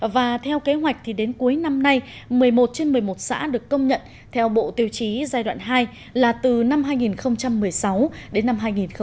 và theo kế hoạch thì đến cuối năm nay một mươi một trên một mươi một xã được công nhận theo bộ tiêu chí giai đoạn hai là từ năm hai nghìn một mươi sáu đến năm hai nghìn hai mươi